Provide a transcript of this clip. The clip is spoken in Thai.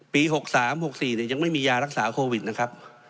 ปีหกสามหกสี่เนี่ยยังไม่มียารักษาโควิดนะครับ